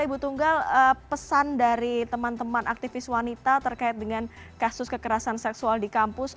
ibu tunggal pesan dari teman teman aktivis wanita terkait dengan kasus kekerasan seksual di kampus